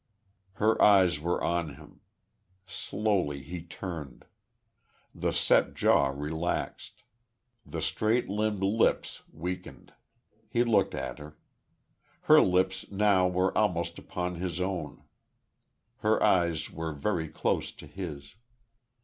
Her eyes were on him.... Slowly he turned.... The set jaw relaxed; the straight limned lips weakened.... He looked at her. Her lips now were almost upon his own; her eyes were very close to his.